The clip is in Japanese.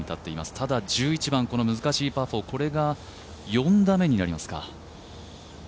ただ１１番、難しいパット、これが４打目になりますか。